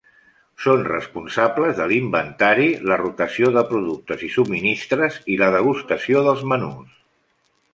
Són responsables de l'inventari, la rotació de productes i subministres, i la degustació dels menús.